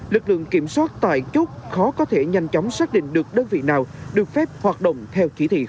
lực lượng kiểm soát tại chốt khó có thể nhanh chóng xác định được đơn vị nào được phép hoạt động theo chỉ thị